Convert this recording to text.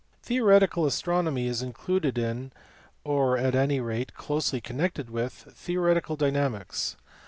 Theoretical Astronomy is included in, or at any rate closely connected with, theoretical dynamics.